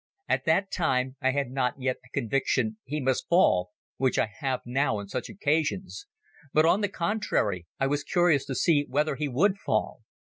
At that time I had not yet the conviction "He must fall!" which I have now on such occasions, but on the contrary, I was curious to see whether he would fall.